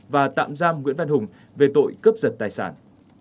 và tạm giam nguyễn văn hùng về tội cướp giật tài sản